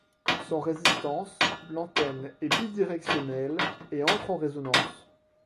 Sans résistance, l'antenne est bi-directionnelle et entre en résonance.